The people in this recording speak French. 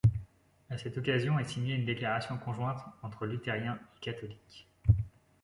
À cette occasion est signée une déclaration conjointe entre luthériens et catholiques.